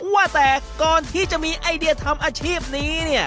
ว่าแต่ก่อนที่จะมีไอเดียทำอาชีพนี้เนี่ย